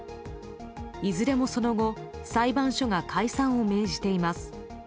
いずれも、その後裁判所が解散を命じています。